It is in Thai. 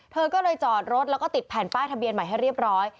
เธอก็เลยจอดรถแล้วก็ติดแผ่นป้ายทะเบียนใหม่ให้เรียบร้อย